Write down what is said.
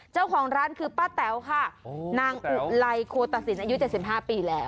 เจ้าของร้านคือป้าแต๋วค่ะนางอุไลโคตสินอายุ๗๕ปีแล้ว